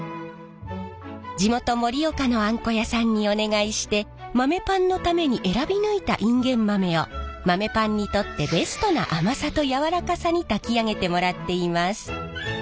地元盛岡のあんこ屋さんにお願いして豆パンのために選び抜いたインゲン豆を豆パンにとってベストな甘さとやわらかさに炊き上げてもらっています。